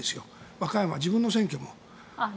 和歌山、自分の選挙も。